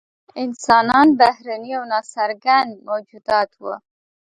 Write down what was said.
انسانان بهرني او نا څرګند موجودات وو.